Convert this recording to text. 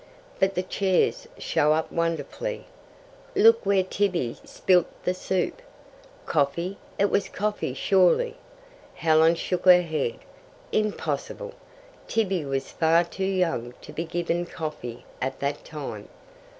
"But the chairs show up wonderfully. Look where Tibby spilt the soup." "Coffee. It was coffee surely." Helen shook her head. "Impossible. Tibby was far too young to be given coffee at that time."